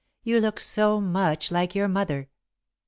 "You look so much like your mother."